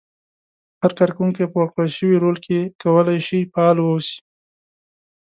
هر کار کوونکی په ورکړل شوي رول کې کولای شي فعال واوسي.